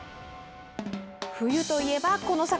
冬といえば、この魚。